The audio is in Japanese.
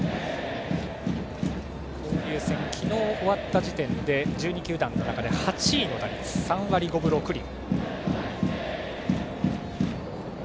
交流戦、昨日終わった時点で１２球団の中で８位の打率３割５分６厘。